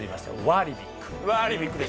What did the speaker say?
ワーリビック。